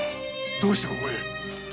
どうしてここへ？